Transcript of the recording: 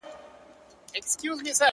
خو چوپتيا لا درنه ده تل,